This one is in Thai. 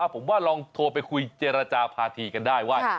ผมว่าลองโทรไปคุยเจรจาภาษีกันได้ว่า